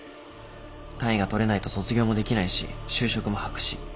単位が取れないと卒業もできないし就職も白紙。